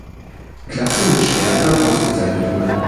Klasse mit Schwertern ausgezeichnet wurde.